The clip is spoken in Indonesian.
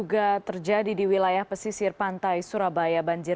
saya bisa pewak pewak pakai mobil